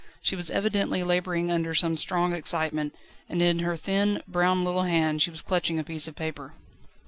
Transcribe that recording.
She was evidently labouring under some strong excitement, and in her thin, brown little hand she was clutching a piece of paper.